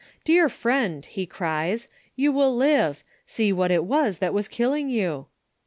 ' Dear friend,' he cries, 'you will live. See what it was that was killing you!'